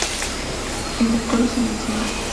En el coro se menciona.